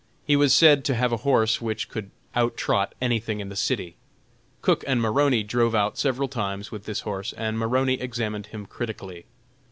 He was said to have a horse which could out trot anything in the city. Cook and Maroney drove out several times with this horse, and Maroney examined him critically.